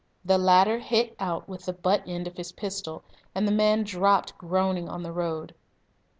The latter hit out with the butt end of his pistol, and the man dropped groaning on the road.